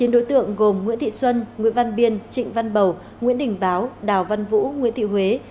chín đối tượng gồm nguyễn thị xuân nguyễn văn biên trịnh văn bầu nguyễn đình báo đào văn vũ nguyễn thị huế